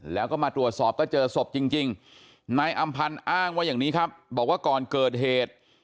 แล้วก็มาตรวจสอบก็เจอศพจริงนายอำพันธ์อ้างว่าอย่างนี้ครับบอกว่าก่อนเกิดเหตุ